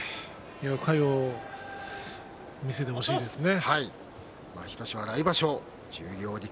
嘉陽見せてほしいですね。